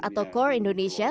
atau core indonesia